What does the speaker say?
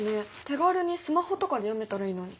手軽にスマホとかで読めたらいいのに。